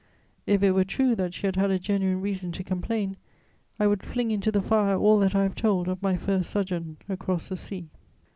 If it were true that she had had a genuine reason to complain, I would fling into the fire all that I have told of my first sojourn across the sea.